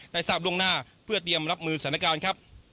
ทราบล่วงหน้าเพื่อเตรียมรับมือสถานการณ์ครับ